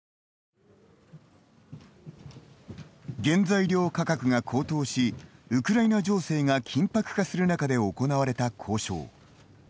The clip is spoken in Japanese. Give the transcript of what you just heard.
原材料価格が高騰しウクライナ情勢が緊迫化する中で行われた交渉。